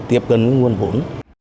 tiếp cận với nguồn vốn